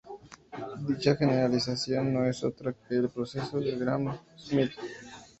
Dicha generalización no es otra que el proceso de Gram-Schmidt.